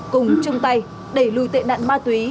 cùng chung tay đẩy lùi tệ nạn ma túy